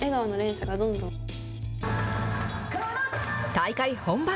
大会本番。